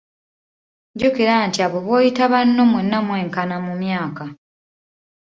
Jjukira nti abo b'oyita banno mwenna mwenkana mu myaka.